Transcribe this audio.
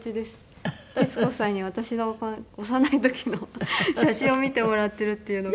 徹子さんに私の幼い時の写真を見てもらっているっていうのは。